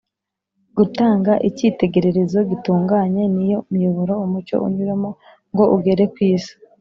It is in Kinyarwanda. gutanga icyitegererezo gitunganye ni yo miyoboro umucyo unyuramo ngo ugere ku isi